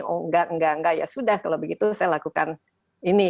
oh nggak nggak nggak ya sudah kalau begitu saya lakukan ini